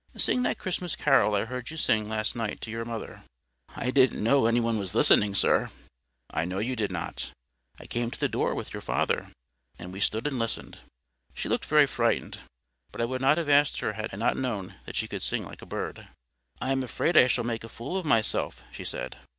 "Sing that Christmas carol I heard you sing last night to your mother." "I didn't know any one was listening, sir." "I know you did not. I came to the door with your father, and we stood and listened." She looked very frightened. But I would not have asked her had I not known that she could sing like a bird. "I am afraid I shall make a fool of myself," she said.